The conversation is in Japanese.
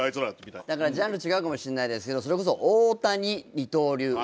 だからジャンル違うかもしれないですけどそれこそ「大谷二刀流」